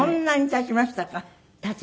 経ちました。